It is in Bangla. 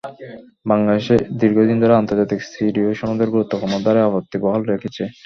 বাংলাদেশ দীর্ঘদিন ধরে আন্তর্জাতিক সিডও সনদের গুরুত্বপূর্ণ ধারায় আপত্তি বহাল রেখেছে।